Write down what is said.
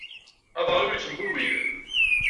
Aḍar-iw yettembiwil.